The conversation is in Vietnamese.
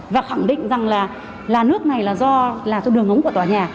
và khẳng định rằng là nước này là do đường ống của tòa nhà